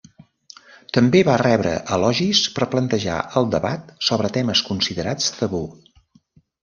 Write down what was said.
També va rebre elogis per plantejar el debat sobre temes considerats tabú.